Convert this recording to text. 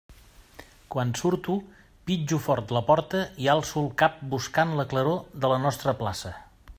Quan surto, pitjo fort la porta i alço el cap buscant la claror de la nostra plaça.